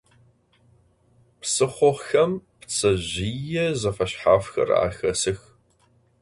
Psıxhoxem ptsezjıê zefeşshafxer axesıx.